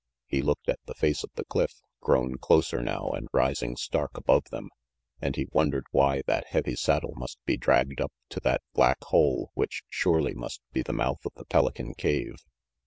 He looked at the face of the cliff, grown closer now and rising stark above them, and he wondered why that heavy saddle must be dragged up to that black hole which surely must be the mouth of the Pelican cave.